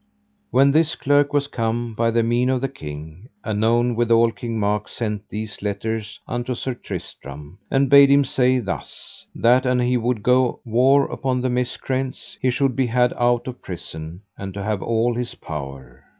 When this clerk was come by the mean of the king, anon withal King Mark sent these letters unto Sir Tristram and bade him say thus: that an he would go war upon the miscreants, he should be had out of prison, and to have all his power.